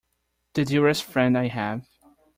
The dearest friend I have!